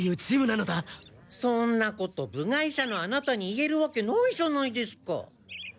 そんなこと部外者のアナタに言えるわけないじゃないですか。